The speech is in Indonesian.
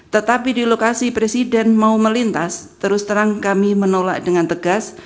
tetapi di lokasi presiden mau melintas terus terang kami menolak dengan tegas